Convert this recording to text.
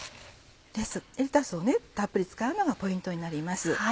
レタスをたっぷり使うのがポイントになります。